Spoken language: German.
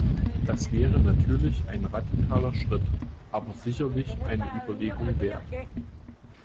Das wäre natürlich ein radikaler Schritt, aber sicherlich eine Überlegung wert.